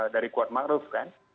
dari kuat makruf kan